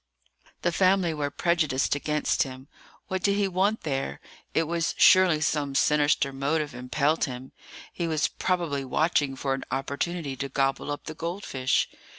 The family were prejudiced against him. What did he want there? It was surely some sinister motive impelled him. He was probably watching for an opportunity to gobble up the goldfish.